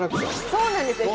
そうなんですよ。